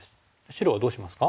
白はどうしますか？